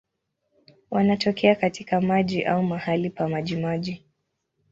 Wanatokea katika maji au mahali pa majimaji.